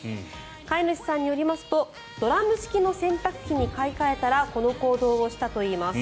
飼い主さんによりますとドラム式の洗濯機に買い替えたらこの行動をしたといいます。